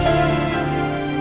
saya sudah berjaga jaga